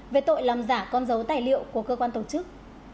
về tội làm giả con dấu tài liệu của cơ quan tổ chức